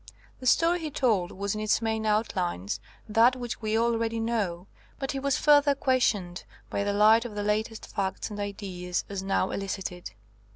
The story he told was in its main outlines that which we already know, but he was further questioned, by the light of the latest facts and ideas as now elicited.